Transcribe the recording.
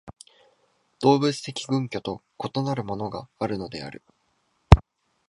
動物的群居と異なるものがあるのである。